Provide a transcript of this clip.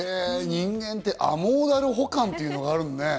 人間ってアモーダル補完っていうのがあるのね。